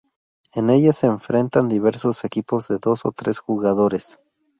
En ella se enfrentan diversos equipos de dos o tres jugadores.